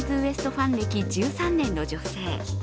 ファン歴１３年の女性。